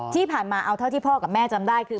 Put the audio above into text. ที่ผ่านมาเอาเท่าที่พ่อกับแม่จำได้คือ